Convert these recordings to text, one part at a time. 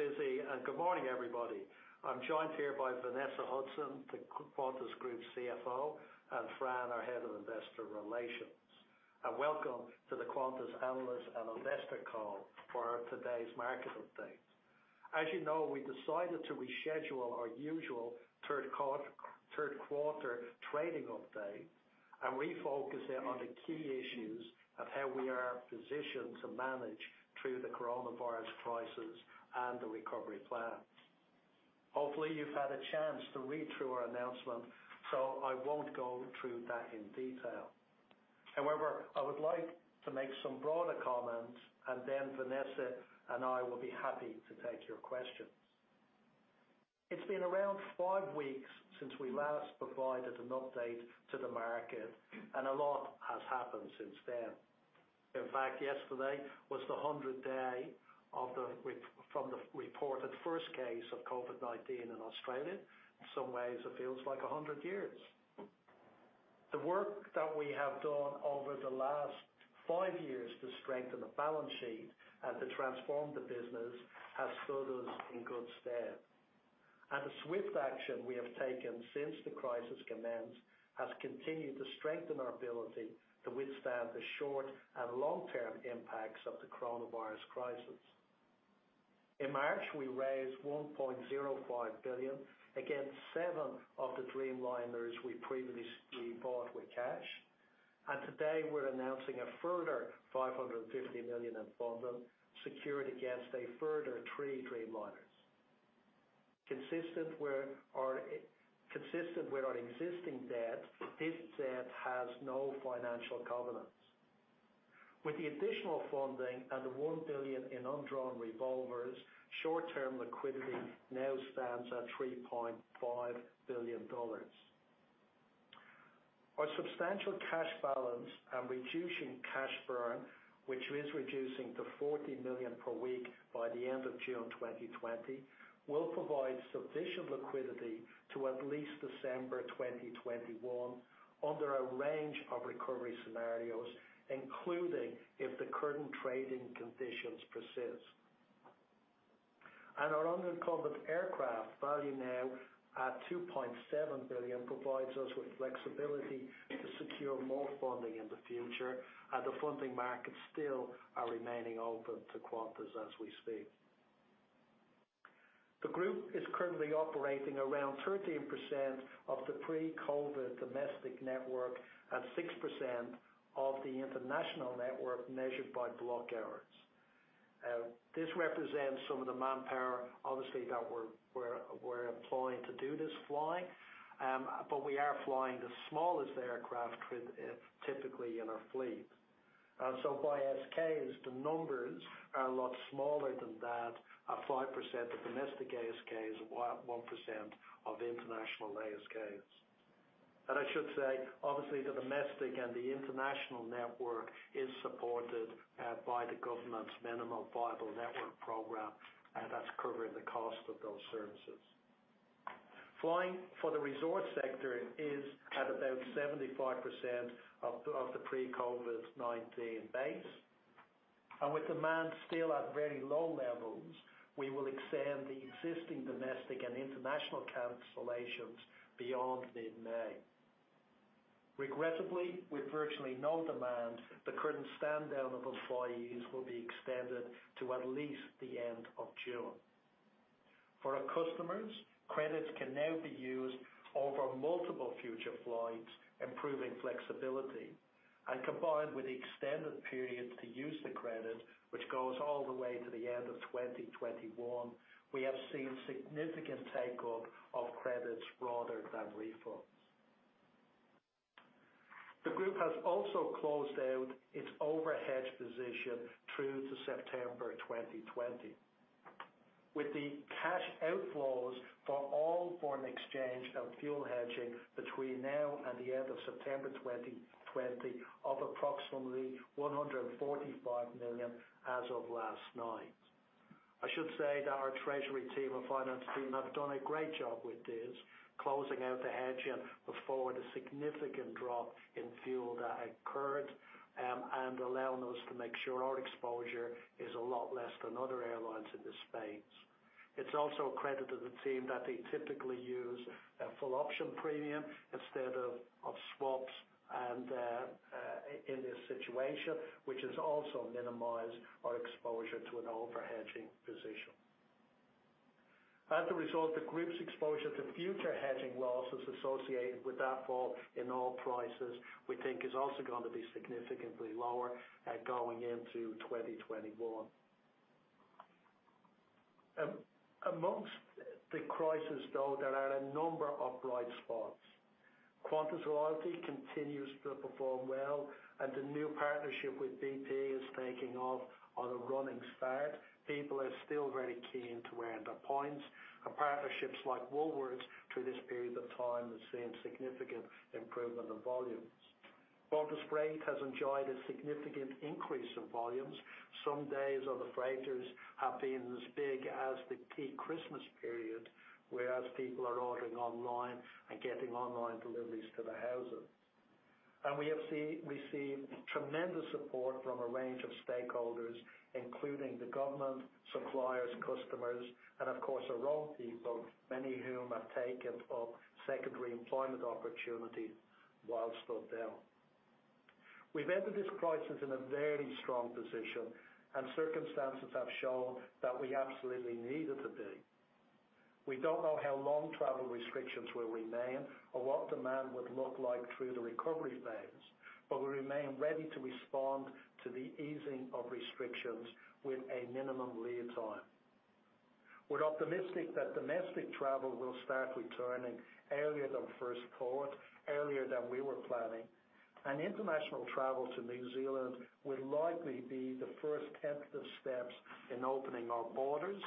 Thanks, Izzy, and good morning, everybody. I'm joined here by Vanessa Hudson, the Qantas Group CFO, and Fran, our Head of Investor Relations, and welcome to the Qantas Analysts and Investor Call for today's market update. As you know, we decided to reschedule our usual Q3 trading update, and we focus on the key issues of how we are positioned to manage through the coronavirus crisis and the recovery plan. Hopefully, you've had a chance to read through our announcement, so I won't go through that in detail. However, I would like to make some broader comments, and then Vanessa and I will be happy to take your questions. It's been around five weeks since we last provided an update to the market, and a lot has happened since then. In fact, yesterday was the 100th day from the reported first case of COVID-19 in Australia. In some ways, it feels like 100 years. The work that we have done over the last five years to strengthen the balance sheet and to transform the business has stood us in good stead. And the swift action we have taken since the crisis commenced has continued to strengthen our ability to withstand the short and long-term impacts of the coronavirus crisis. In March, we raised 1.05 billion against seven of the Dreamliners we previously bought with cash. And today, we're announcing a further 550 million in funding secured against a further three Dreamliners. Consistent with our existing debt, this debt has no financial covenants. With the additional funding and the 1 billion in undrawn revolvers, short-term liquidity now stands at 3.5 billion dollars. Our substantial cash balance and reducing cash burn, which we're reducing to 40 million per week by the end of June 2020, will provide sufficient liquidity to at least December 2021 under a range of recovery scenarios, including if the current trading conditions persist, and our unencumbered aircraft value now at 2.7 billion provides us with flexibility to secure more funding in the future, and the funding markets still are remaining open to Qantas as we speak. The group is currently operating around 13% of the pre-COVID domestic network and 6% of the international network measured by block hours. This represents some of the manpower, obviously, that we're employing to do this flying, but we are flying the smallest aircraft typically in our fleet, so by ASKs, the numbers are a lot smaller than that. At 5%, the domestic ASK is 1% of international ASKs. I should say, obviously, the domestic and the international network is supported by the government's Minimum Viable Network program, and that's covering the cost of those services. Flying for the resort sector is at about 75% of the pre-COVID-19 base. With demand still at very low levels, we will extend the existing domestic and international cancellations beyond mid-May. Regrettably, with virtually no demand, the current stand down of employees will be extended to at least the end of June. For our customers, credits can now be used over multiple future flights, improving flexibility. Combined with the extended period to use the credit, which goes all the way to the end of 2021, we have seen significant take-up of credits rather than refunds. The group has also closed out its overhead position through to September 2020, with the cash outflows for all foreign exchange and fuel hedging between now and the end of September 2020 of approximately 145 million as of last night. I should say that our treasury team and finance team have done a great job with this, closing out the hedging before the significant drop in fuel that occurred and allowing us to make sure our exposure is a lot less than other airlines in this space. It's also credited to the team that they typically use a full option premium instead of swaps in this situation, which has also minimized our exposure to an over hedging position. As a result, the group's exposure to future hedging losses associated with that fall in oil prices, we think, is also going to be significantly lower going into 2021. Among the crises, though, there are a number of bright spots. Qantas Loyalty continues to perform well, and the new partnership with BP is taking off on a running start. People are still very keen to earn their points, and partnerships like Woolworths through this period of time have seen significant improvement in volumes. Qantas Freight has enjoyed a significant increase in volumes. Some days of the freighters have been as big as the peak Christmas period, whereas people are ordering online and getting online deliveries to their houses. And we have received tremendous support from a range of stakeholders, including the government, suppliers, customers, and, of course, our own people, many of whom have taken up secondary employment opportunities while still down. We've entered this crisis in a very strong position, and circumstances have shown that we absolutely needed to be. We don't know how long travel restrictions will remain or what demand would look like through the recovery phase, but we remain ready to respond to the easing of restrictions with a minimum lead time. We're optimistic that domestic travel will start returning earlier than first thought, earlier than we were planning, and international travel to New Zealand will likely be the first tentative steps in opening our borders,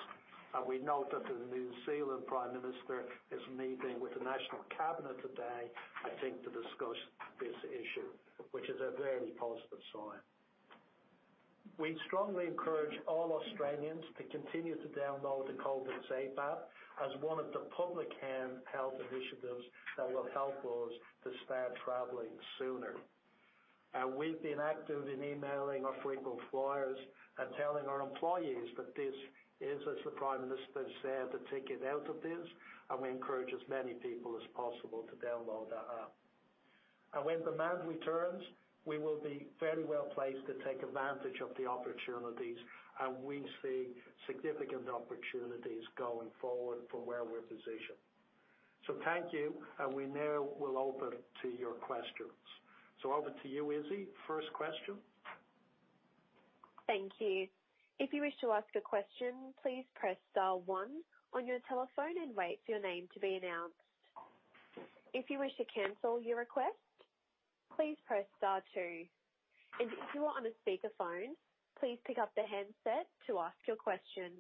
and we know that the New Zealand Prime Minister is meeting with the National Cabinet today, I think, to discuss this issue, which is a very positive sign. We strongly encourage all Australians to continue to download the COVIDSafe app as one of the public health initiatives that will help us to start traveling sooner. And we've been active in emailing our frequent flyers and telling our employees that this is, as the Prime Minister said, the ticket out of this, and we encourage as many people as possible to download that app. And when demand returns, we will be very well placed to take advantage of the opportunities, and we see significant opportunities going forward from where we're positioned. So thank you, and we now will open to your questions. So over to you, Izzy. First question. Thank you. If you wish to ask a question, please press star one on your telephone and wait for your name to be announced. If you wish to cancel your request, please press star two. And if you are on a speakerphone, please pick up the handset to ask your question.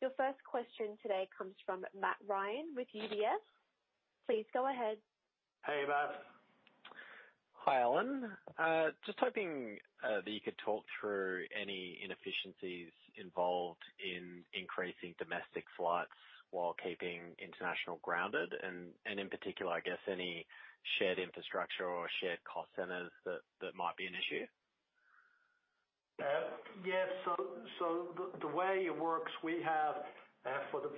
Your first question today comes from Matt Ryan with UBS. Please go ahead. Hey, Matt. Hi, Alan. Just hoping that you could talk through any inefficiencies involved in increasing domestic flights while keeping international grounded, and in particular, I guess, any shared infrastructure or shared cost centers that might be an issue. Yeah. So the way it works, we have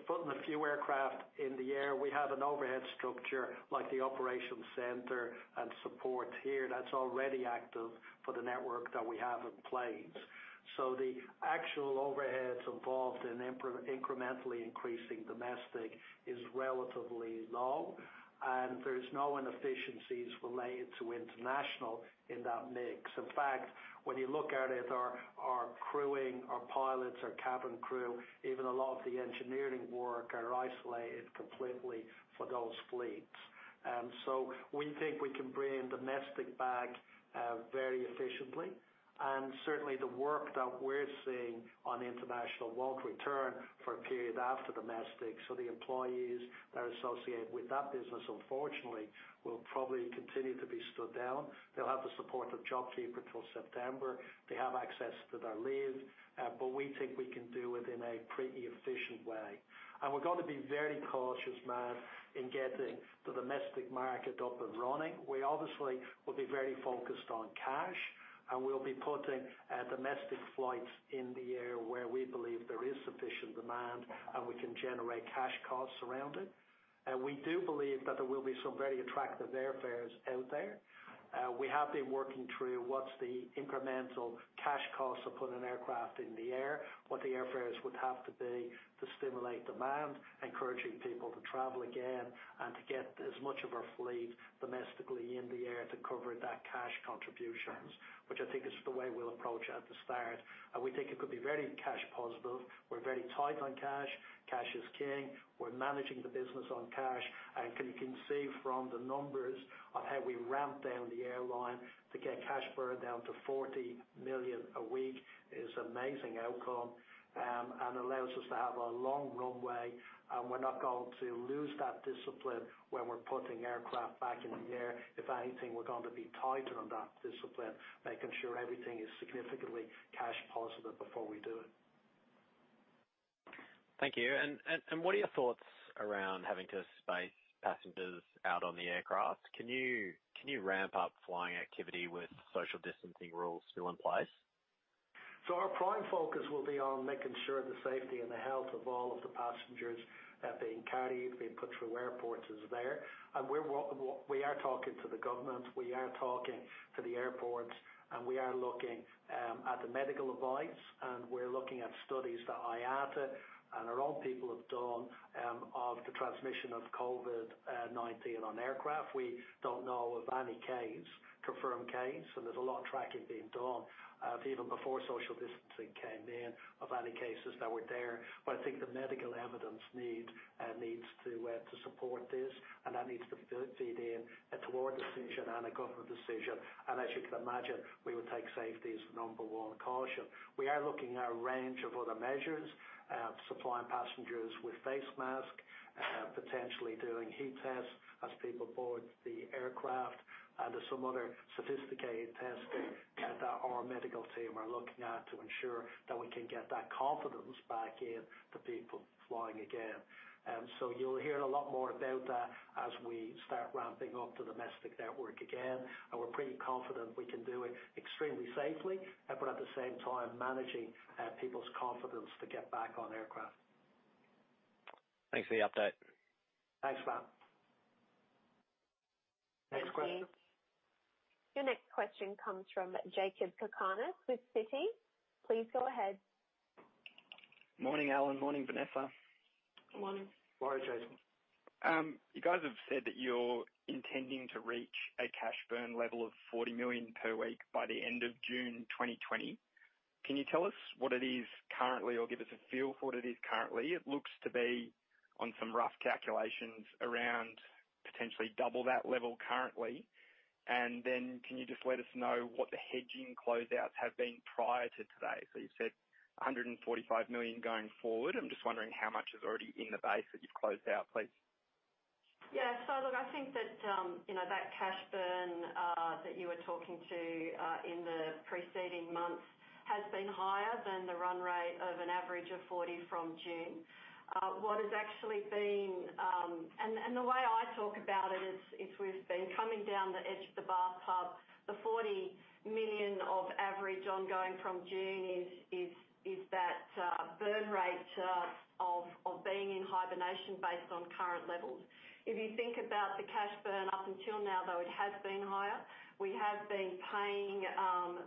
put in a few aircraft in the air. We have an overhead structure like the operations center and support here that's already active for the network that we have in place. So the actual overheads involved in incrementally increasing domestic is relatively low, and there's no inefficiencies related to international in that mix. In fact, when you look at it, our crewing, our pilots, our cabin crew, even a lot of the engineering work are isolated completely for those fleets. And so we think we can bring domestic back very efficiently. And certainly, the work that we're seeing on international won't return for a period after domestic. So the employees that are associated with that business, unfortunately, will probably continue to be stood down. They'll have the support of JobKeeper till September. They have access to their leave, but we think we can do it in a pretty efficient way. And we're going to be very cautious, Matt, in getting the domestic market up and running. We obviously will be very focused on cash, and we'll be putting domestic flights in the air where we believe there is sufficient demand and we can generate cash costs around it. And we do believe that there will be some very attractive airfares out there. We have been working through what's the incremental cash costs of putting an aircraft in the air, what the airfares would have to be to stimulate demand, encouraging people to travel again and to get as much of our fleet domestically in the air to cover that cash contributions, which I think is the way we'll approach at the start. And we think it could be very cash positive. We're very tight on cash. Cash is king. We're managing the business on cash. And you can see from the numbers of how we ramped down the airline to get cash burned down to 40 million a week is an amazing outcome and allows us to have a long runway. And we're not going to lose that discipline when we're putting aircraft back in the air. If anything, we're going to be tighter on that discipline, making sure everything is significantly cash positive before we do it. Thank you. And what are your thoughts around having to space passengers out on the aircraft? Can you ramp-up flying activity with social distancing rules still in place? So our prime focus will be on making sure the safety and the health of all of the passengers are being carried, being put through airports is there, and we are talking to the government. We are talking to the airports, and we are looking at the medical advice, and we're looking at studies that IATA and our own people have done of the transmission of COVID-19 on aircraft. We don't know of any case, confirmed case, and there's a lot of tracking being done even before social distancing came in of any cases that were there, but I think the medical evidence needs to support this, and that needs to feed in toward a decision and a government decision, and as you can imagine, we will take safety as the number one caution. We are looking at a range of other measures, supplying passengers with face masks, potentially doing heat tests as people board the aircraft, and there's some other sophisticated testing that our medical team are looking at to ensure that we can get that confidence back in the people flying again, and so you'll hear a lot more about that as we start ramping up the domestic network again, and we're pretty confident we can do it extremely safely, but at the same time, managing people's confidence to get back on aircraft. Thanks for the update. Thanks, Matt. Next question. Your next question comes from Jakob Cakarnis with Citi. Please go ahead. Morning, Alan. Morning, Vanessa. Good morning. Sorry, Jason. You guys have said that you're intending to reach a cash burn level of 40 million per week by the end of June 2020. Can you tell us what it is currently or give us a feel for what it is currently? It looks to be, on some rough calculations, around potentially double that level currently. And then can you just let us know what the hedging closeouts have been prior to today? So you've said 145 million going forward. I'm just wondering how much is already in the base that you've closed out, please. Yeah. So look, I think that that cash burn that you were talking to in the preceding months has been higher than the run rate of an average of 40 million from June. What has actually been and the way I talk about it is we've been coming down the edge of the bathtub. The 40 million average ongoing from June is that burn rate of being in hibernation based on current levels. If you think about the cash burn up until now, though, it has been higher. We have been paying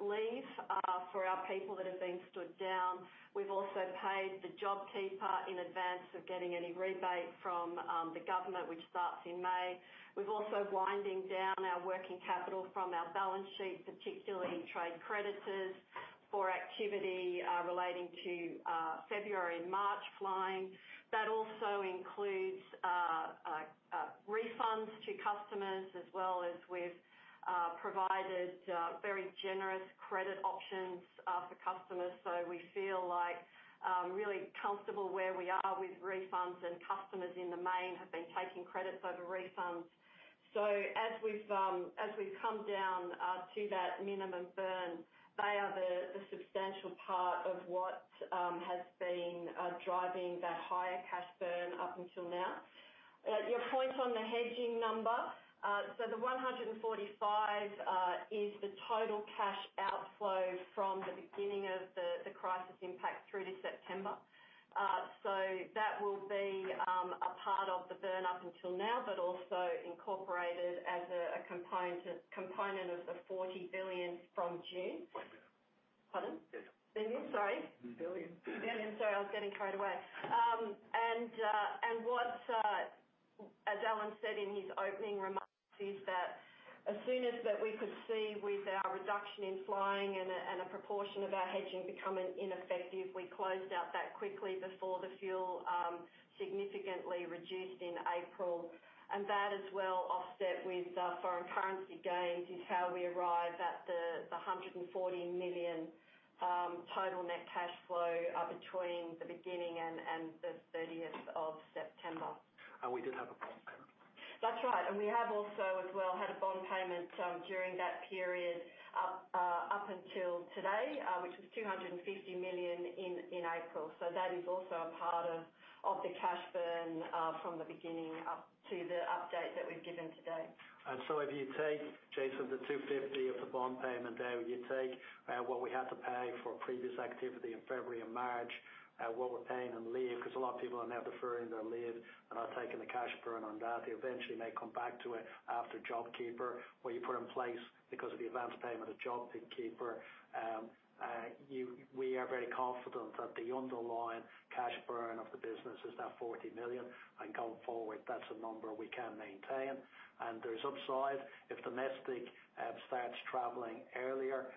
leave for our people that have been stood down. We've also paid the JobKeeper in advance of getting any rebate from the government, which starts in May. We've also winding down our working capital from our balance sheet, particularly trade creditors for activity relating to February and March flying. That also includes refunds to customers, as well as we've provided very generous credit options for customers. So we feel really comfortable where we are with refunds, and customers in the main have been taking credits over refunds. So as we've come down to that minimum burn, they are the substantial part of what has been driving that higher cash burn up until now. Your point on the hedging number, so the 145 is the total cash outflow from the beginning of the crisis impact through to September. So that will be a part of the burn up until now, but also incorporated as a component of the 40 billion from June. Pardon? Billion. Billion, sorry. Billion. Billion. Sorry, I was getting carried away. And what, as Alan said in his opening remarks, is that as soon as we could see with our reduction in flying and a proportion of our hedging becoming ineffective, we closed out that quickly before the fuel significantly reduced in April. And that, as well, offset with foreign currency gains, is how we arrive at the 140 million total net cash flow between the beginning and the 30th of September. We did have a bond payment. That's right. And we have also, as well, had a bond payment during that period up until today, which was 250 million in April. So that is also a part of the cash burn from the beginning up to the update that we've given today. And so, if you take, Jason, the 250 million of the bond payment there, would you take what we had to pay for previous activity in February and March, what we're paying on leave? Because a lot of people are now deferring their leave and are taking the cash burn on that. Eventually may come back to it after JobKeeper, where you put in place because of the advance payment of JobKeeper. We are very confident that the underlying cash burn of the business is that 40 million, and going forward, that's a number we can maintain, and there's upside. If domestic starts traveling earlier,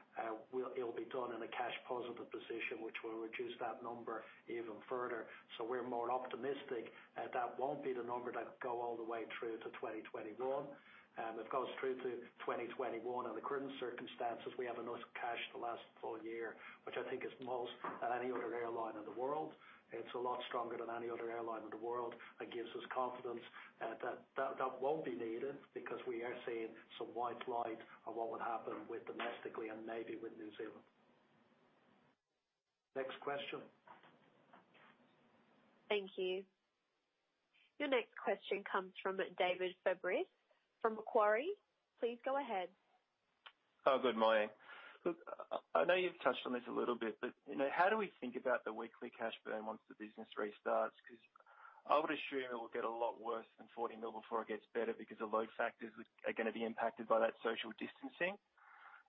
it'll be done in a cash positive position, which will reduce that number even further, so we're more optimistic that won't be the number that go all the way through to 2021. If it goes through to 2021, in the current circumstances, we have enough cash to last the full year, which I think is more than any other airline in the world. It's a lot stronger than any other airline in the world. That gives us confidence that that won't be needed because we are seeing some light of what would happen domestically and maybe with New Zealand. Next question. Thank you. Your next question comes from David Fabris from Macquarie. Please go ahead. Oh, good morning. Look, I know you've touched on this a little bit, but how do we think about the weekly cash burn once the business restarts? Because I would assume it will get a lot worse than 40 million before it gets better because a lot of factors are going to be impacted by that social distancing,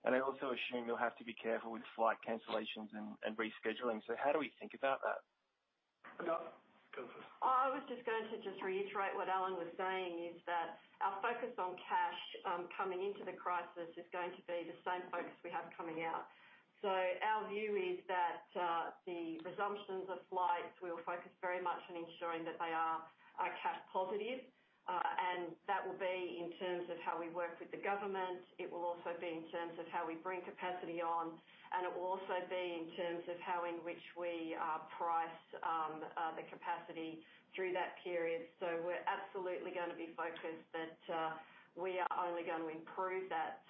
and I also assume you'll have to be careful with flight cancellations and rescheduling, so how do we think about that? I was just going to just reiterate what Alan was saying is that our focus on cash coming into the crisis is going to be the same focus we have coming out. So our view is that the resumptions of flights, we'll focus very much on ensuring that they are cash positive. And that will be in terms of how we work with the government. It will also be in terms of how we bring capacity on. And it will also be in terms of how in which we price the capacity through that period. So we're absolutely going to be focused that we are only going to improve that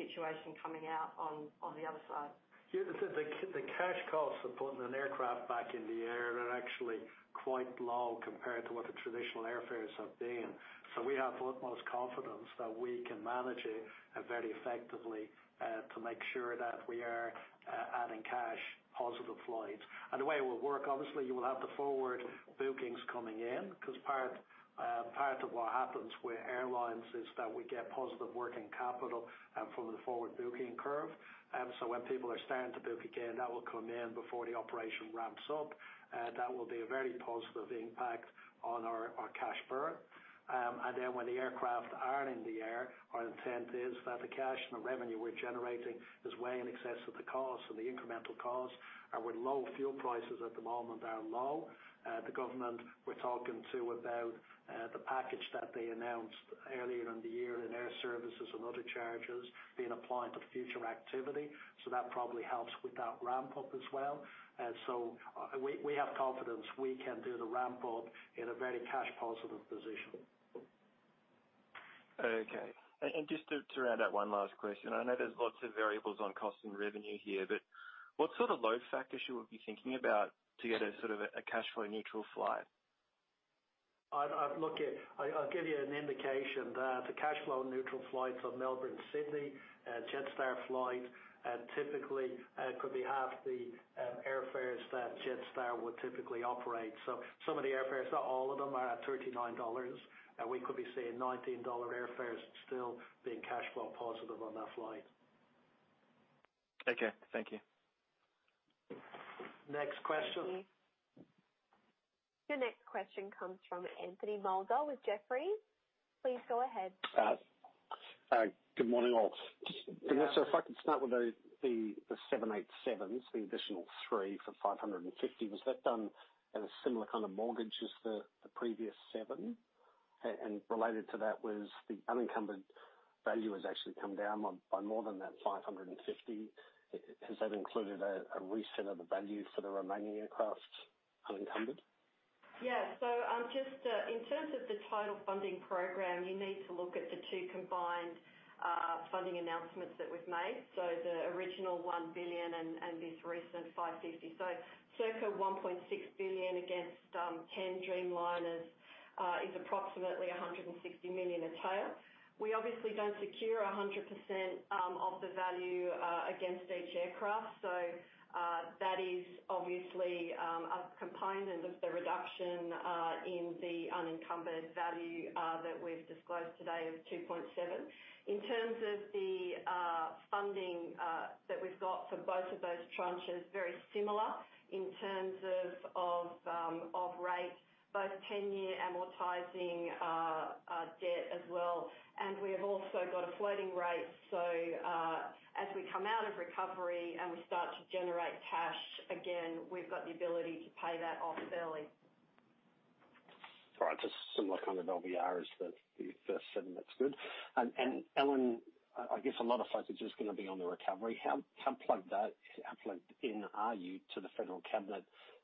situation coming out on the other side. The cash costs of putting an aircraft back in the air are actually quite low compared to what the traditional airfares have been. So we have the utmost confidence that we can manage it very effectively to make sure that we are adding cash positive flights. And the way it will work, obviously, you will have the forward bookings coming in because part of what happens with airlines is that we get positive working capital from the forward booking curve. And so when people are starting to book again, that will come in before the operation ramps up. That will be a very positive impact on our cash burn. And then when the aircraft are in the air, our intent is that the cash and the revenue we're generating is way in excess of the cost and the incremental cost. And with low fuel prices at the moment, they're low. The government we're talking to about the package that they announced earlier in the year and Airservices and other charges being applied to future activity. So that probably helps with that ramp-up as well. So we have confidence we can do the ramp-up in a very cash positive position. Okay. And just to round out, one last question. I know there's lots of variables on cost and revenue here, but what sort of load factors should we be thinking about to get a sort of a cash flow neutral flight? I'll give you an indication that the cash flow neutral flights are Melbourne-Sydney and Jetstar flights. And typically, it could be half the airfares that Jetstar would typically operate. So some of the airfares, not all of them, are at 39 dollars. And we could be seeing 19 dollar airfares still being cash flow positive on that flight. Okay. Thank you. Next question. Your next question comes from Anthony Moulder with Jefferies. Please go ahead. Good morning, all. So if I could start with the 787s, the additional three for 550, was that done at a similar kind of mortgage as the previous seven? And related to that, was the unencumbered value has actually come down by more than that 550? Has that included a reset of the value for the remaining aircraft unencumbered? Yeah. So just in terms of the title funding program, you need to look at the two combined funding announcements that we've made. So the original 1 billion and this recent 550 million. So circa 1.6 billion against 10 Dreamliners is approximately 160 million a tail. We obviously don't secure 100% of the value against each aircraft. So that is obviously a component of the reduction in the unencumbered value that we've disclosed today of 2.7 billion. In terms of the funding that we've got for both of those tranches, very similar in terms of rate, both 10-year amortizing debt as well. And we have also got a floating rate. So as we come out of recovery and we start to generate cash again, we've got the ability to pay that off early. Sorry, just similar kind of LVR is the first seven. That's good. And Alan, I guess a lot of focus is going to be on the recovery. How plugged in are you to the federal cabinet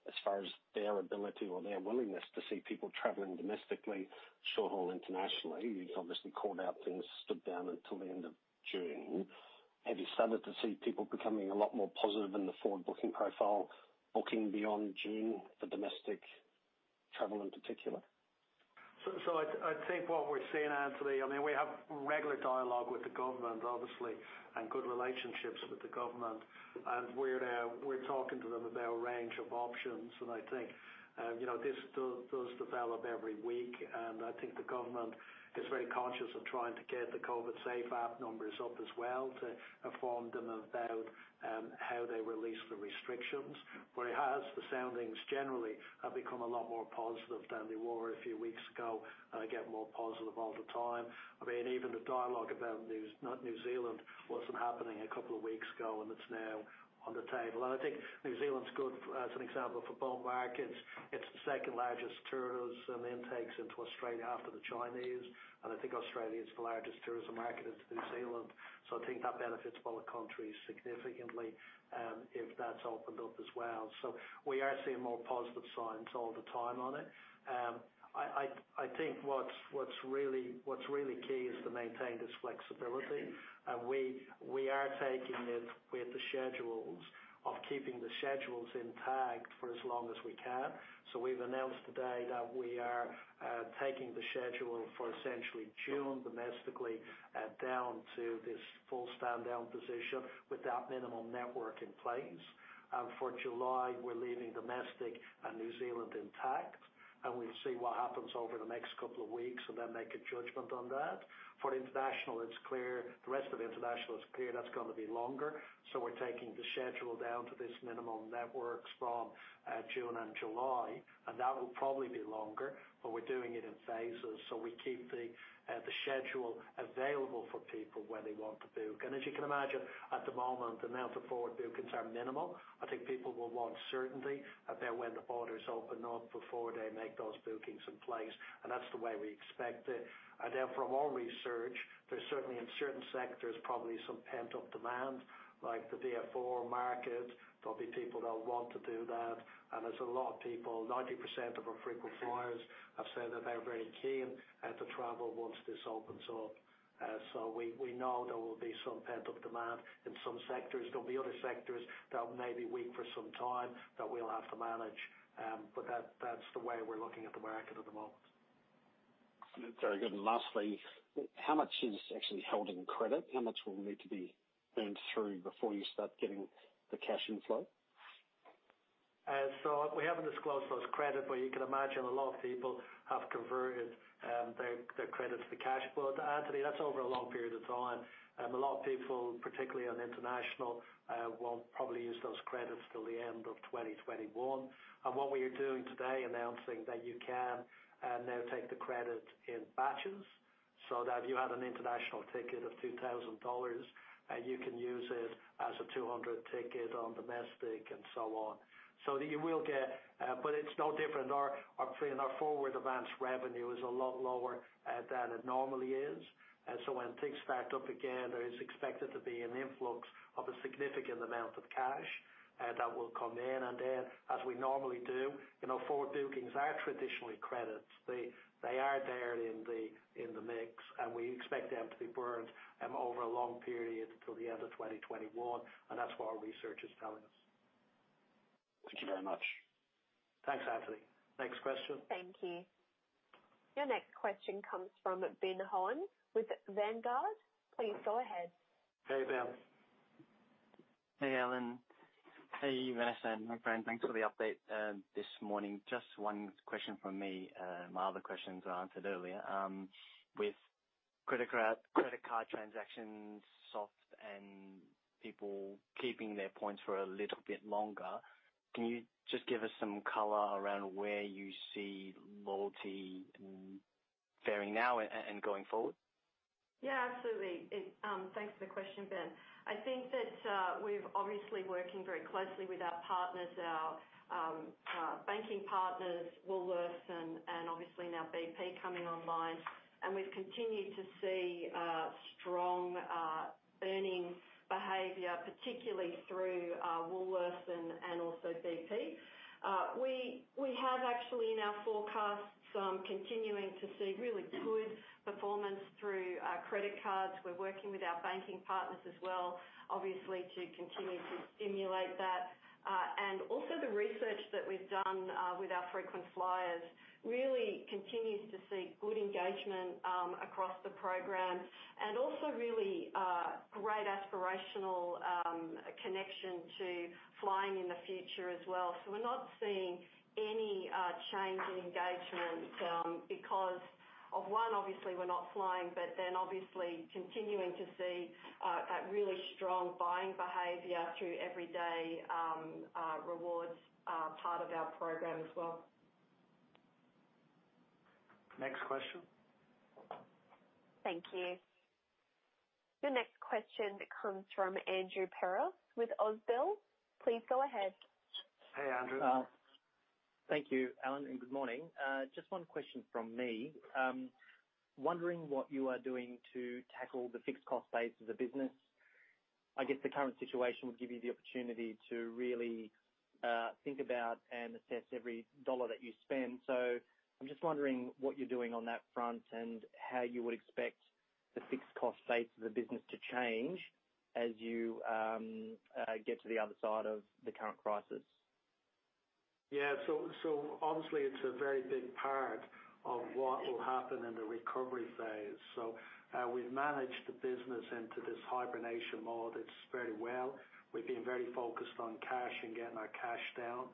as far as their ability or their willingness to see people traveling domestically short haul internationally? You've obviously called out things stood down until the end of June. Have you started to see people becoming a lot more positive in the forward booking profile booking beyond June for domestic travel in particular? So I think what we're seeing, Anthony. I mean, we have regular dialogue with the government, obviously, and good relationships with the government. And we're talking to them about a range of options. And I think this does develop every week. And I think the government is very conscious of trying to get the COVIDSafe app numbers up as well to inform them about how they release the restrictions. But the soundings generally have become a lot more positive than they were a few weeks ago. And they get more positive all the time. I mean, even the dialogue about New Zealand wasn't happening a couple of weeks ago, and it's now on the table. And I think New Zealand's good as an example for bond markets. It's the second largest tourism intakes into Australia after the Chinese. And I think Australia is the largest tourism market in New Zealand. So I think that benefits both countries significantly if that's opened up as well. So we are seeing more positive signs all the time on it. I think what's really key is to maintain this flexibility. And we are taking it with the schedules of keeping the schedules intact for as long as we can. So we've announced today that we are taking the schedule for essentially June domestically down to this full stand down position with that minimum network in place. And for July, we're leaving domestic and New Zealand intact. And we'll see what happens over the next couple of weeks and then make a judgment on that. For international, it's clear. The rest of international is clear. That's going to be longer. So we're taking the schedule down to this minimum networks from June and July. And that will probably be longer, but we're doing it in phases. So we keep the schedule available for people when they want to book. And as you can imagine, at the moment, the amount of forward bookings are minimal. I think people will want certainty about when the borders open up before they make those bookings in place. And that's the way we expect it. And then from our research, there's certainly in certain sectors probably some pent-up demand, like the VFR market. There'll be people that'll want to do that. And there's a lot of people, 90% of our frequent flyers have said that they're very keen to travel once this opens up. So we know there will be some pent-up demand in some sectors. There'll be other sectors that may be weak for some time that we'll have to manage, but that's the way we're looking at the market at the moment. Very good. And lastly, how much is actually held in credit? How much will need to be earned through before you start getting the cash inflow? So we haven't disclosed those credits, but you can imagine a lot of people have converted their credit to the cash flow. Anthony, that's over a long period of time. A lot of people, particularly on international, won't probably use those credits till the end of 2021. And what we are doing today announcing that you can now take the credit in batches. So that if you had an international ticket of 2,000 dollars, you can use it as a 200 ticket on domestic and so on. So that you will get, but it's no different. Our forward advance revenue is a lot lower than it normally is. And so when things start up again, there is expected to be an influx of a significant amount of cash that will come in. And then, as we normally do, forward bookings are traditionally credits. They are there in the mix. We expect them to be burned over a long period till the end of 2021. That's what our research is telling us. Thank you very much. Thanks, Anthony. Next question. Thank you. Your next question comes from Ben Holland with Vanguard. Please go ahead. Hey, Ben. Hey, Alan. Hey, Vanessa. My friend, thanks for the update this morning. Just one question from me. My other questions were answered earlier. With credit card transactions, soft and people keeping their points for a little bit longer, can you just give us some color around where you see loyalty varying now and going forward? Yeah, absolutely. Thanks for the question, Ben. I think that we're obviously working very closely with our partners, our banking partners, Woolworths, and obviously now BP coming online. And we've continued to see strong earning behavior, particularly through Woolworths and also BP. We have actually in our forecasts continuing to see really good performance through credit cards. We're working with our banking partners as well, obviously, to continue to stimulate that. And also the research that we've done with our frequent flyers really continues to see good engagement across the program. And also really great aspirational connection to flying in the future as well. So we're not seeing any change in engagement because of one, obviously, we're not flying, but then obviously continuing to see that really strong buying behavior through Everyday Rewards part of our program as well. Next question. Thank you. Your next question comes from Andrew Peros with Ausbil. Please go ahead. Hey, Andrew. Thank you, Alan, and good morning. Just one question from me. Wondering what you are doing to tackle the fixed cost base of the business. I guess the current situation would give you the opportunity to really think about and assess every dollar that you spend. So I'm just wondering what you're doing on that front and how you would expect the fixed cost base of the business to change as you get to the other side of the current crisis. Yeah, so obviously, it's a very big part of what will happen in the recovery phase, so we've managed the business into this hibernation mode very well, we've been very focused on cash and getting our cash down,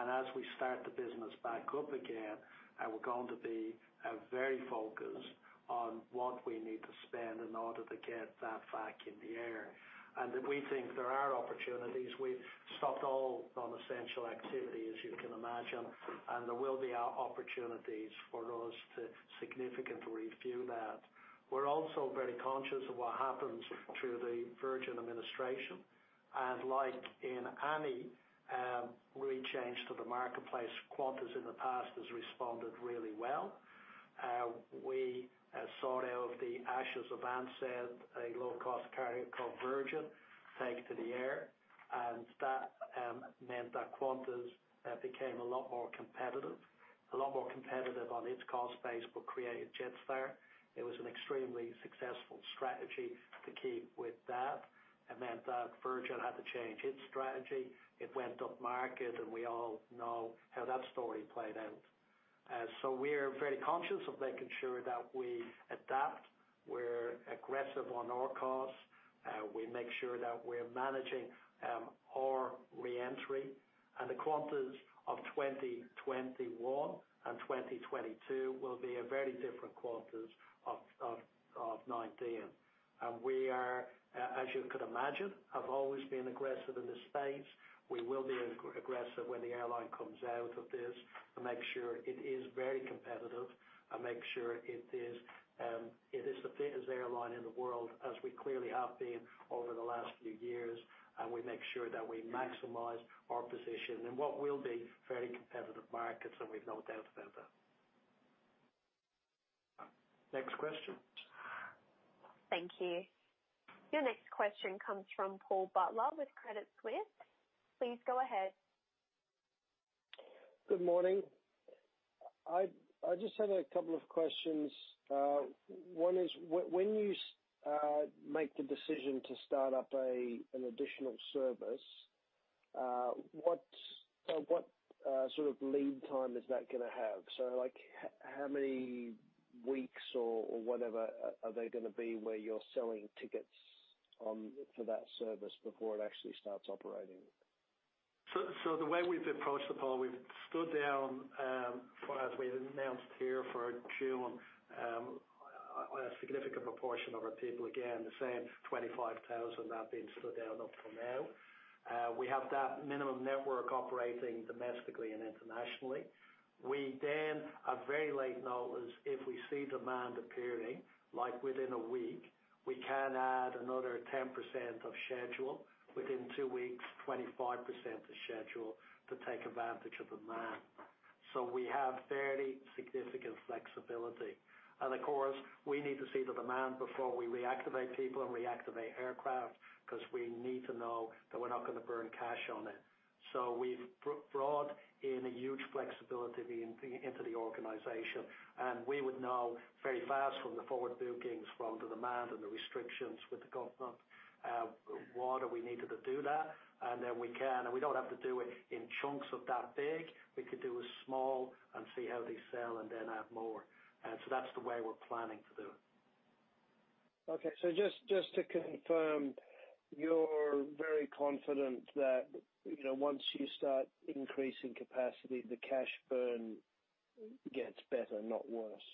and as we start the business back up again, we're going to be very focused on what we need to spend in order to get that back in the air, and we think there are opportunities, we've stopped all non-essential activity, as you can imagine, and there will be opportunities for us to significantly refuel that, we're also very conscious of what happens through the Virgin administration, and like in any regime change to the marketplace, Qantas in the past has responded really well, we rose from the ashes of Ansett. A low-cost carrier called Virgin took to the air, and that meant that Qantas became a lot more competitive. A lot more competitive on its cost base but created Jetstar. It was an extremely successful strategy to keep with that. It meant that Virgin had to change its strategy. It went up market, and we all know how that story played out. So we're very conscious of making sure that we adapt. We're aggressive on our costs. We make sure that we're managing our re-entry. And the Qantas of 2021 and 2022 will be a very different Qantas of 2019. And we are, as you could imagine, have always been aggressive in this space. We will be aggressive when the airline comes out of this and make sure it is very competitive and make sure it is the fittest airline in the world, as we clearly have been over the last few years. And we make sure that we maximize our position in what will be very competitive markets, and we've no doubt about that. Next question. Thank you. Your next question comes from Paul Butler with Credit Suisse. Please go ahead. Good morning. I just had a couple of questions. One is, when you make the decision to start up an additional service, what sort of lead time is that going to have? So how many weeks or whatever are they going to be where you're selling tickets for that service before it actually starts operating? So the way we've approached the point, we've stood down, as we announced here for June, a significant proportion of our people, again, the same 25,000 that have been stood down up to now. We have that minimum network operating domestically and internationally. We then, at very late notice, if we see demand appearing, like within a week, we can add another 10% of schedule, within two weeks, 25% of schedule to take advantage of demand. So we have very significant flexibility. And of course, we need to see the demand before we reactivate people and reactivate aircraft because we need to know that we're not going to burn cash on it. So we've brought in a huge flexibility into the organization. And we would know very fast from the forward bookings, from the demand and the restrictions with the government what we needed to do that. And then we can, and we don't have to do it in chunks of that big. We could do a small and see how they sell and then add more. And so that's the way we're planning to do it. Okay, so just to confirm, you're very confident that once you start increasing capacity, the cash burn gets better, not worse?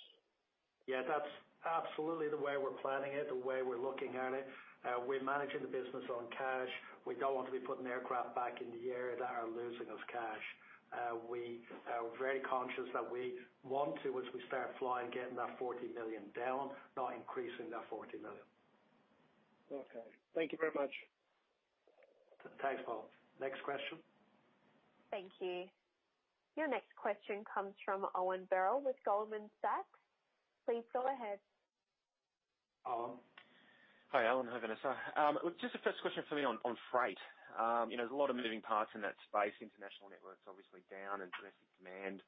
Yeah, that's absolutely the way we're planning it, the way we're looking at it. We're managing the business on cash. We don't want to be putting aircraft back in the air that are losing us cash. We are very conscious that we want to, as we start flying, get that 40 million down, not increasing that 40 million. Okay. Thank you very much. Thanks, Paul. Next question. Thank you. Your next question comes from Owen Birrell with Goldman Sachs. Please go ahead. Hi, Alan. Hi, Vanessa. Just a first question for me on freight. There's a lot of moving parts in that space. International networks obviously down and domestic demand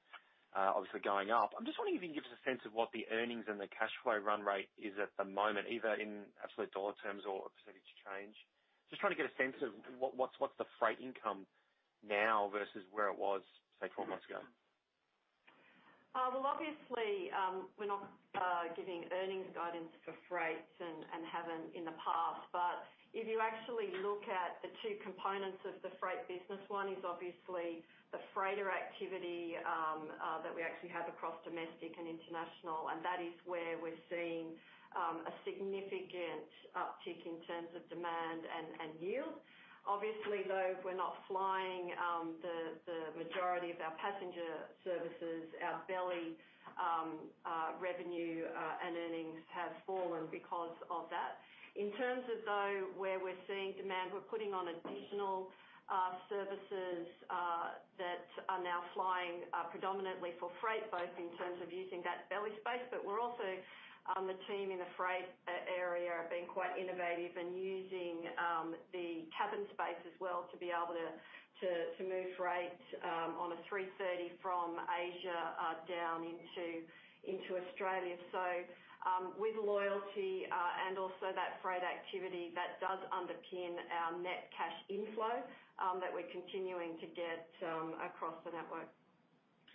obviously going up. I'm just wondering if you can give us a sense of what the earnings and the cash flow run rate is at the moment, either in absolute dollar terms or a percentage change. Just trying to get a sense of what's the freight income now versus where it was, say, 12 months ago. Well, obviously, we're not giving earnings guidance for freight and haven't in the past. But if you actually look at the two components of the freight business, one is obviously the freighter activity that we actually have across domestic and international. And that is where we're seeing a significant uptick in terms of demand and yield. Obviously, though, we're not flying. The majority of our passenger services, our belly revenue and earnings have fallen because of that. In terms of, though, where we're seeing demand, we're putting on additional services that are now flying predominantly for freight, both in terms of using that belly space, but we're also on the team in the freight area being quite innovative and using the cabin space as well to be able to move freight on a 330 from Asia down into Australia. So with loyalty and also that freight activity, that does underpin our net cash inflow that we're continuing to get across the network.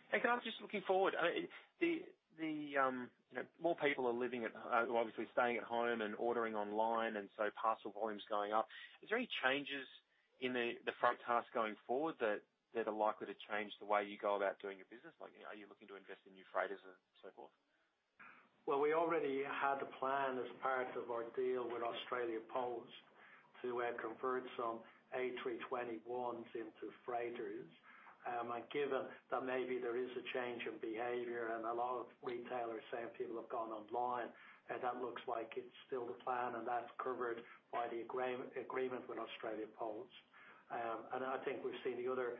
Hey, Can I just looking forward, more people are living at, obviously, staying at home and ordering online, and so parcel volume is going up. Is there any changes in the freight task going forward that are likely to change the way you go about doing your business? Are you looking to invest in new freighters and so forth? Well, we already had a plan as part of our deal with Australia Post to convert some A321s into freighters. And given that maybe there is a change in behavior and a lot of retailers saying people have gone online, that looks like it's still the plan, and that's covered by the agreement with Australia Post. And I think we've seen the other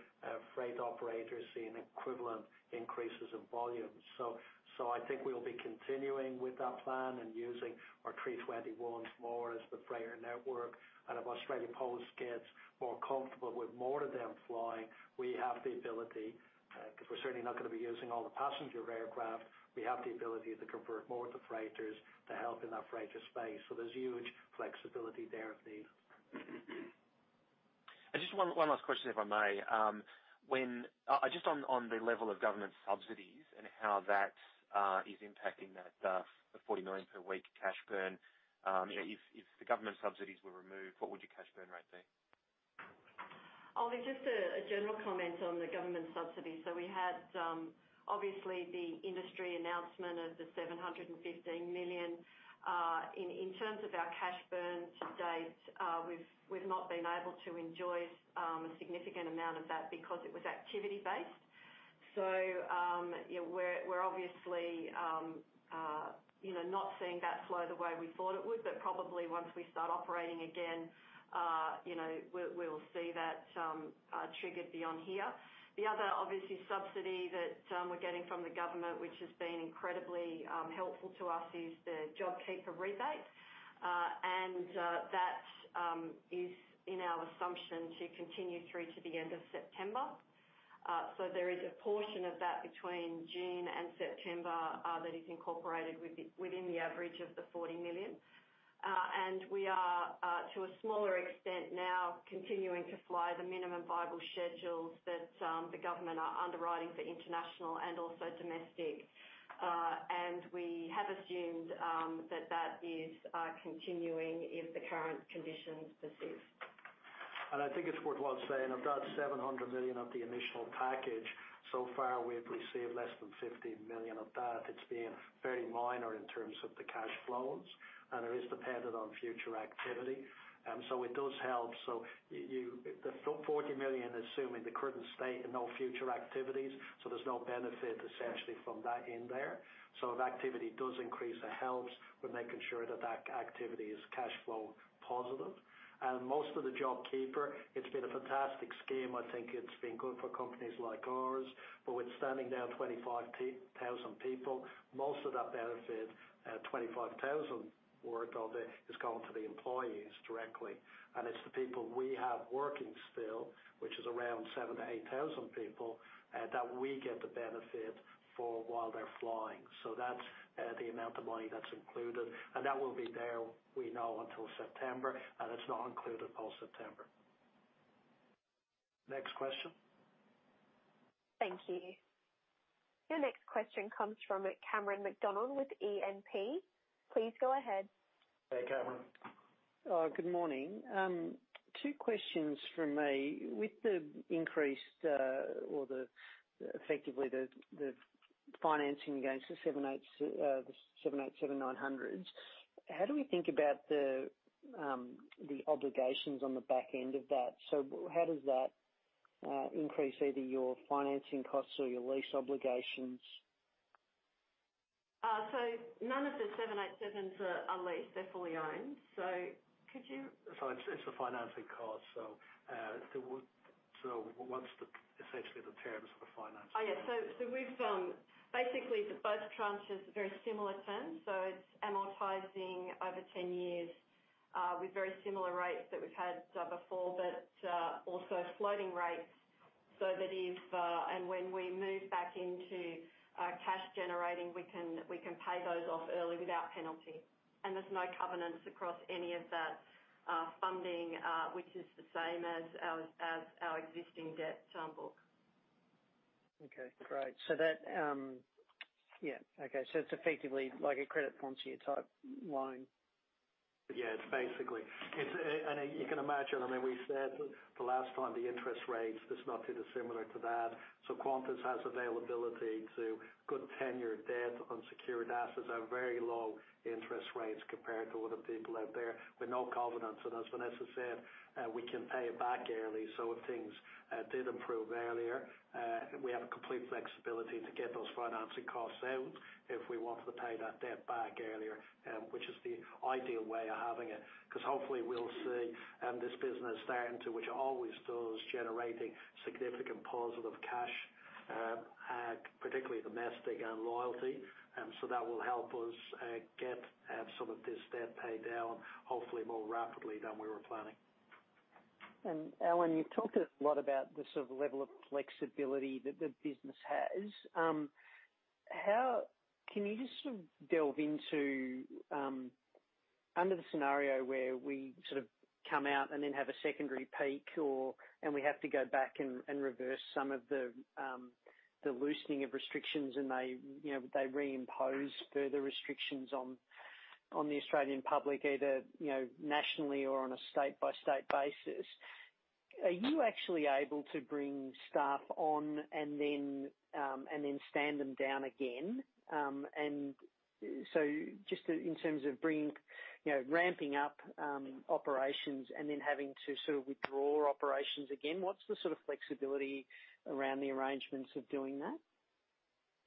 freight operators seeing equivalent increases in volume. So I think we'll be continuing with that plan and using our A321s more as the freighter network. And if Australia Post gets more comfortable with more of them flying, we have the ability, because we're certainly not going to be using all the passenger aircraft, we have the ability to convert more of the freighters to help in that freighter space. So there's huge flexibility there if needed. Just one last question, if I may. Just on the level of government subsidies and how that is impacting that 40 million per week cash burn, if the government subsidies were removed, what would your cash burn rate be? Oh, just a general comment on the government subsidies. So we had, obviously, the industry announcement of the 715 million. In terms of our cash burn to date, we've not been able to enjoy a significant amount of that because it was activity-based. So we're obviously not seeing that flow the way we thought it would, but probably once we start operating again, we'll see that triggered beyond here. The other, obviously, subsidy that we're getting from the government, which has been incredibly helpful to us, is the JobKeeper rebate. And that is, in our assumption, to continue through to the end of September. So there is a portion of that between June and September that is incorporated within the average of the 40 million. And we are, to a smaller extent now, continuing to fly the minimum viable schedules that the government are underwriting for international and also domestic. We have assumed that that is continuing if the current conditions persist. And I think it's worthwhile saying of that 700 million of the initial package, so far we've received less than 50 million of that. It's been very minor in terms of the cash flows. And it is dependent on future activity. And so it does help. So the 40 million is assuming the current state and no future activities. So there's no benefit essentially from that in there. So if activity does increase, it helps with making sure that that activity is cash flow positive. And most of the JobKeeper, it's been a fantastic scheme. I think it's been good for companies like ours. But with standing down 25,000 people, most of that benefit, 25,000 worth of it, is going to the employees directly. And it's the people we have working still, which is around 7,000 to 8,000 people, that we get the benefit for while they're flying. So that's the amount of money that's included. And that will be there, we know, until September. And it's not included post-September. Next question. Thank you. Your next question comes from Cameron McDonald with E&P. Please go ahead. Hey, Cameron. Good morning. Two questions for me. With the increased, effectively the financing against the 787-900s, how do we think about the obligations on the back end of that? So how does that increase either your financing costs or your lease obligations? So none of the 787s are leased. They're fully owned. So could you? So it's the financing costs. So what's essentially the terms of the financing? Oh, yeah. So basically, both tranches are very similar terms. So it's amortizing over 10 years with very similar rates that we've had before, but also floating rates. And when we move back into cash generating, we can pay those off early without penalty. And there's no covenants across any of that funding, which is the same as our existing debt book. Okay. Great. Yeah. Okay, so it's effectively like a credit facility type loan. Yeah, it's basically, and you can imagine. I mean, we said the last time the interest rates are not too dissimilar to that, so Qantas has availability to good tenor debt on secured assets at very low interest rates compared to other people out there, with no covenants, and as Vanessa said, we can pay it back early, so if things did improve earlier, we have complete flexibility to get those financing costs out if we want to pay that debt back earlier, which is the ideal way of having it. Because hopefully, we'll see this business starting to, which it always does, generating significant positive cash, particularly domestic and loyalty, and so that will help us get some of this debt paid down, hopefully, more rapidly than we were planning. And Alan, you've talked a lot about the sort of level of flexibility that the business has. Can you just sort of delve into, under the scenario where we sort of come out and then have a secondary peak, and we have to go back and reverse some of the loosening of restrictions and they reimpose further restrictions on the Australian public, either nationally or on a state-by-state basis, are you actually able to bring staff on and then stand them down again? And so just in terms of ramping up operations and then having to sort of withdraw operations again, what's the sort of flexibility around the arrangements of doing that?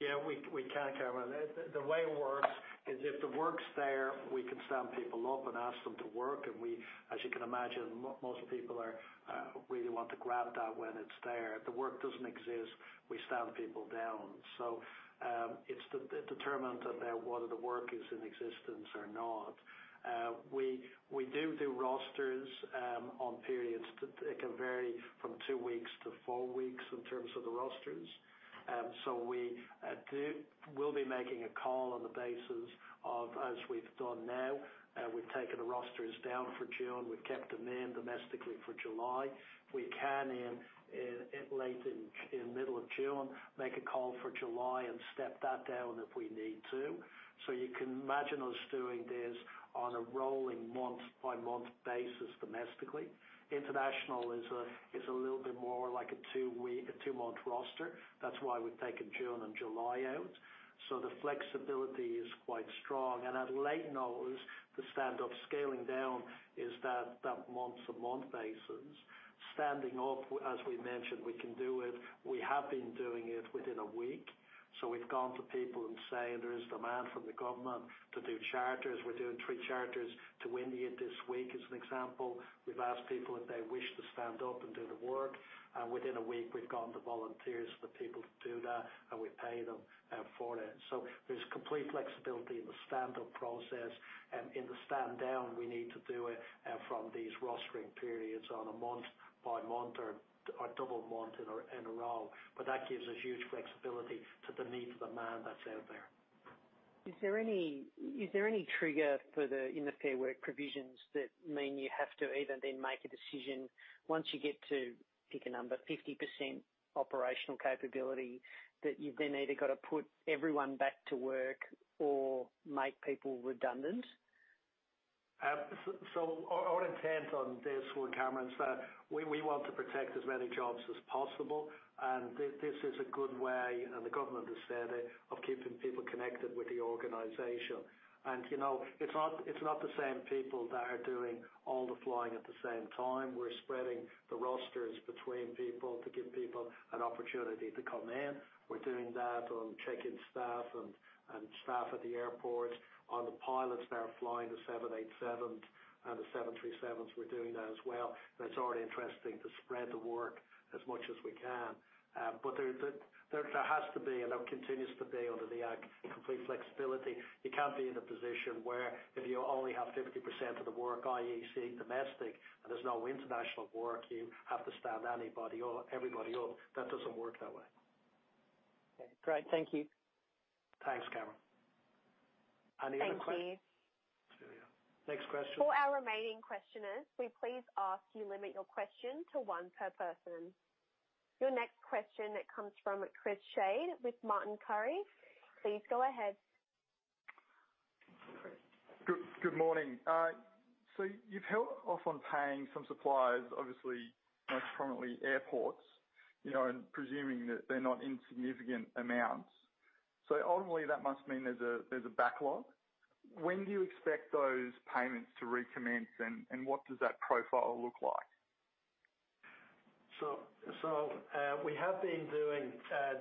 Yeah, we can, Cameron. The way it works is if the work's there, we can stand people up and ask them to work. And as you can imagine, most people really want to grab that when it's there. If the work doesn't exist, we stand people down. So it's determined whether the work is in existence or not. We do do rosters on periods. It can vary from two weeks to four weeks in terms of the rosters. So we will be making a call on the basis of, as we've done now, we've taken the rosters down for June. We've kept them in domestically for July. We can in late in middle of June, make a call for July and step that down if we need to. So you can imagine us doing this on a rolling month-by-month basis domestically. International is a little bit more like a two-month roster. That's why we've taken June and July out, so the flexibility is quite strong. And also note, the stand-down scaling down is that month-to-month basis. Standing up, as we mentioned, we can do it. We have been doing it within a week, so we've gone to people saying there is demand from the government to do charters. We're doing three charters to India this week, as an example. We've asked people if they wish to stand up and do the work, and within a week we've gone to volunteers for the people to do that, and we pay them for it. So there's complete flexibility in the stand-up process. And in the stand-down, we need to do it from these rostering periods on a month-by-month or double-month in a row. But that gives us huge flexibility to meet the demand that's out there. Is there any trigger for the Fair Work provisions that mean you have to either then make a decision once you get to, pick a number, 50% operational capability, that you've then either got to put everyone back to work or make people redundant? So our intent on this with Cameron is that we want to protect as many jobs as possible. And this is a good way, and the government has said it, of keeping people connected with the organization. And it's not the same people that are doing all the flying at the same time. We're spreading the rosters between people to give people an opportunity to come in. We're doing that on check-in staff and staff at the airport. On the pilots that are flying the 787s and the 737s, we're doing that as well. And it's already interesting to spread the work as much as we can. But there has to be, and there continues to be, under the act complete flexibility. You can't be in a position where if you only have 50% of the work, i.e., say, domestic, and there's no international work, you have to stand anybody up, everybody up. That doesn't work that way. Okay. Great. Thank you. Thanks, Cameron, and even quick. Thank you. Next question. For our remaining questioners, we please ask you limit your question to one per person. Your next question that comes from Chris Schade with Martin Currie. Please go ahead. Good morning. So you've held off on paying some suppliers, obviously, most prominently airports, and presuming that they're not insignificant amounts. So ultimately, that must mean there's a backlog. When do you expect those payments to recommence, and what does that profile look like? So we have been doing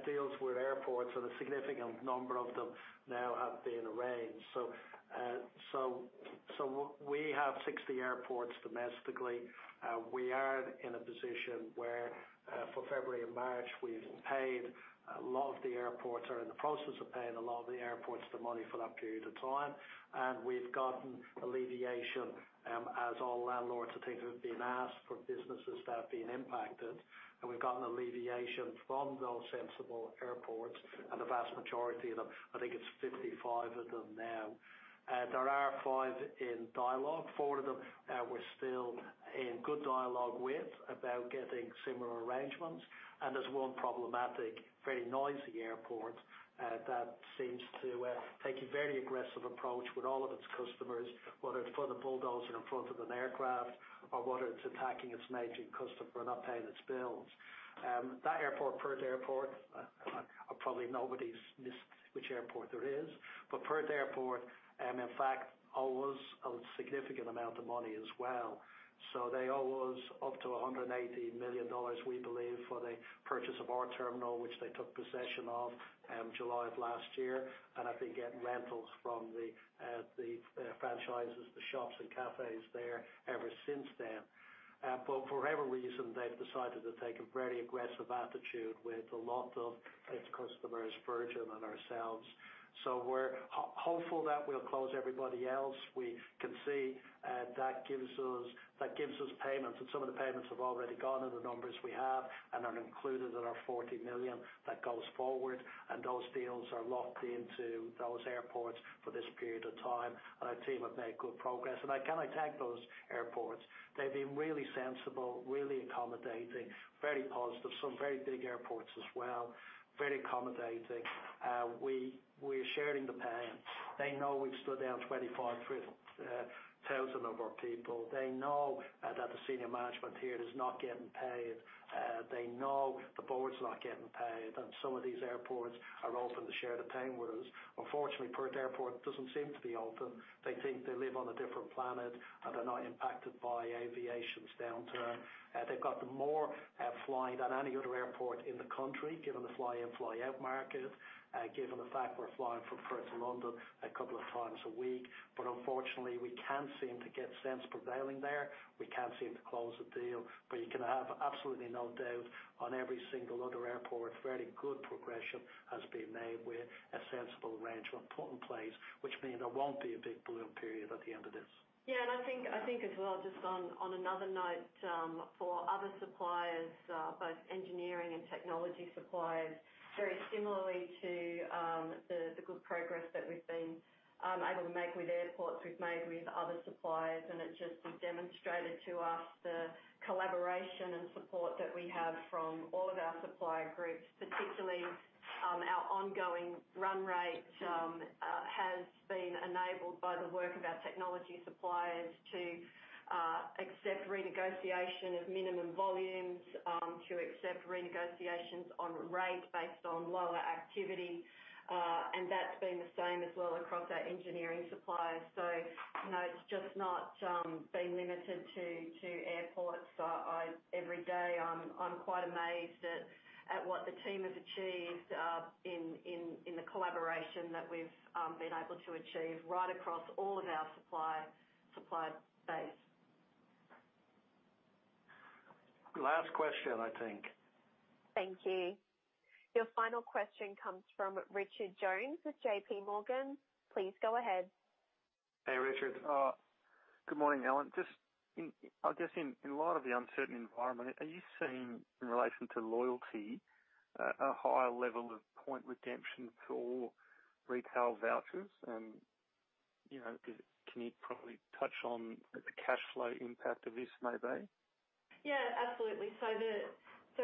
deals with airports, and a significant number of them now have been arranged. So we have 60 airports domestically. We are in a position where for February and March, we've paid a lot of the airports, are in the process of paying a lot of the airports the money for that period of time. And we've gotten alleviation, as all landlords I think have been asked for businesses that have been impacted. And we've gotten alleviation from those sensible airports, and the vast majority of them, I think it's 55 of them now. There are five in dialogue. Four of them we're still in good dialogue with about getting similar arrangements. And there's one problematic, very noisy airport that seems to take a very aggressive approach with all of its customers, whether it's for the bulldozer in front of an aircraft or whether it's attacking its major customer and not paying its bills. That airport, Perth Airport, probably nobody's missed which airport there is. But Perth Airport, in fact, owes a significant amount of money as well. So they owe us up to 180 million dollars, we believe, for the purchase of our terminal, which they took possession of July of last year. And I've been getting rentals from the franchises, the shops, and cafes there ever since then. But for whatever reason, they've decided to take a very aggressive attitude with a lot of its customers, Virgin and ourselves. So we're hopeful that we'll close everybody else. We can see that gives us payments. And some of the payments have already gone in the numbers we have and are included in our 40 million that goes forward. And those deals are locked into those airports for this period of time. And our team have made good progress. And I can attest to those airports. They've been really sensible, really accommodating, very positive. Some very big airports as well, very accommodating. We're sharing the pain. They know we've stood down 25,000 of our people. They know that the senior management here is not getting paid. They know the board's not getting paid. And some of these airports are open to share the pain with us. Unfortunately, Perth Airport doesn't seem to be open. They think they live on a different planet, and they're not impacted by aviation's downturn. They've got the most flying than any other airport in the country, given the fly-in, fly-out market, given the fact we're flying from Perth to London a couple of times a week. But unfortunately, we can't seem to get sense prevailing there. We can't seem to close the deal. But you can have absolutely no doubt on every single other airport, very good progression has been made with a sensible arrangement put in place, which means there won't be a big balloon period at the end of this. Yeah. And I think as well, just on another note, for other suppliers, both engineering and technology suppliers, very similarly to the good progress that we've been able to make with airports, we've made with other suppliers. And it just has demonstrated to us the collaboration and support that we have from all of our supplier groups. Particularly, our ongoing run rate has been enabled by the work of our technology suppliers to accept renegotiation of minimum volumes, to accept renegotiations on rate based on lower activity. And that's been the same as well across our engineering suppliers. So it's just not been limited to airports. Every day, I'm quite amazed at what the team has achieved in the collaboration that we've been able to achieve right across all of our supply base. Last question, I think. Thank you. Your final question comes from Richard Jones with JPMorgan. Please go ahead. Hey, Richard. Good morning, Alan. Just, I guess, in light of the uncertain environment, are you seeing, in relation to loyalty, a higher level of point redemption for retail vouchers? And can you probably touch on the cash flow impact of this maybe? Yeah, absolutely. So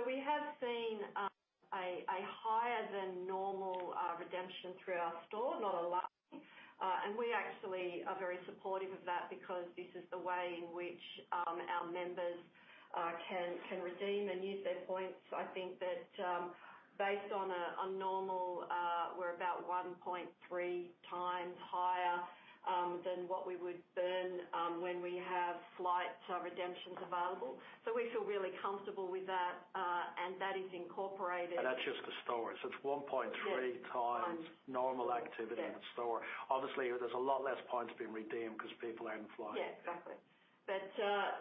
we have seen a higher-than-normal redemption through our store, not a lie. And we actually are very supportive of that because this is the way in which our members can redeem and use their points. I think that based on a normal, we're about 1.3x higher than what we would burn when we have flight redemptions available. So we feel really comfortable with that. And that is incorporated. That's just the stores. It's 1.3x normal activity in the store. Obviously, there's a lot less points being redeemed because people are in the flight. Yeah, exactly, but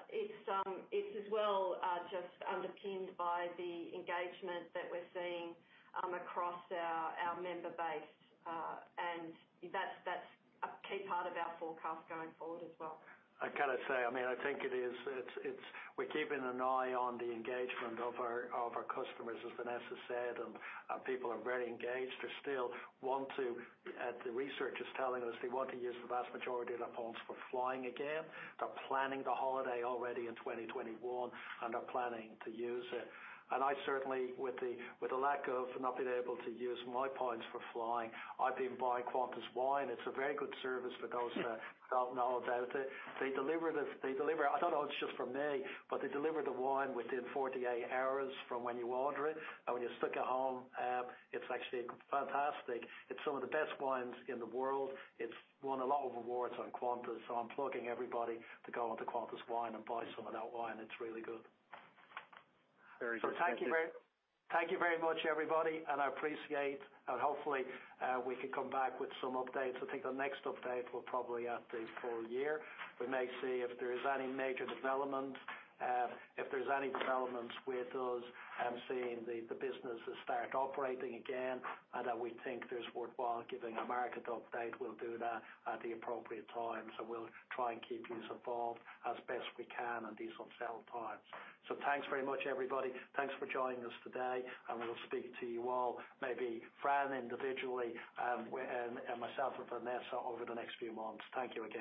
it's as well just underpinned by the engagement that we're seeing across our member base, and that's a key part of our forecast going forward as well. I can say, I mean, I think it is, we're keeping an eye on the engagement of our customers, as Vanessa said. And people are very engaged. They still want to, the research is telling us, they want to use the vast majority of their points for flying again. They're planning the holiday already in 2021, and they're planning to use it. And I certainly, with the lack of not being able to use my points for flying, I've been buying Qantas's wine. It's a very good service for those that don't know about it. They deliver the, I don't know if it's just for me, but they deliver the wine within 48 hours from when you order it. And when you're stuck at home, it's actually fantastic. It's some of the best wines in the world. It's won a lot of awards on Qantas. I'm plugging everybody to go onto Qantas Wine and buy some of that wine. It's really good. Very good. So thank you very much, everybody. And I appreciate, and hopefully, we can come back with some updates. I think the next update will probably be for the full year. We may see if there is any major development, if there's any developments with us, and seeing the businesses start operating again, and that we think there's worthwhile giving a market update, we'll do that at the appropriate time. So we'll try and keep you involved as best we can and these uncertain times. So thanks very much, everybody. Thanks for joining us today. And we'll speak to you all, maybe Fran individually and myself and Vanessa over the next few months. Thank you again.